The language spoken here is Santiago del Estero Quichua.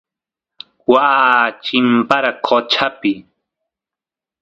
waa chimpara qochapi